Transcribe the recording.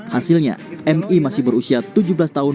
hasilnya mi masih berusia tujuh belas tahun